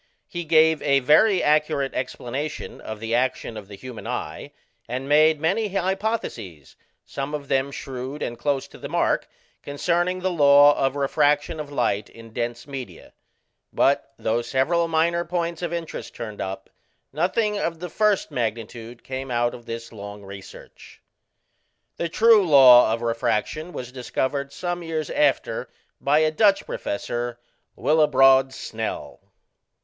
He gave a very accurate explanation of the action of the human eye, and made many hypotheses, some of them shrewd and close to the mark, concerning the law of refraction of light in dense media: but though several minor points of interest turned up, nothing of the first magnitude came out of this long research. The true law of refraction was discovered some years after by a Dutch professor, Willebrod Snell.